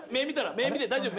目見て大丈夫？